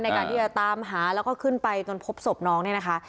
ในการที่จะตามหาแล้วก็ขึ้นไปจนพบศพน้องเนี่ยนะคะ